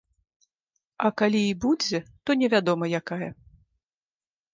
А калі і будзе, то невядома якая.